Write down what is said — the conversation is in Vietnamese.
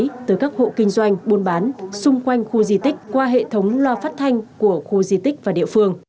phòng cháy chữa cháy từ các hộ kinh doanh buôn bán xung quanh khu di tích qua hệ thống lo phát thanh của khu di tích và địa phương